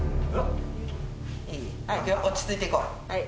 落ち着いていこう。